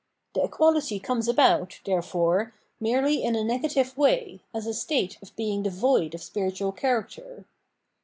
The equahty comes about, therefore, merely in a negative way, as a state of being devoid of spiritual character.